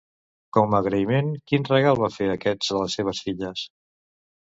Com a agraïment, quin regal va fer aquest a les seves filles?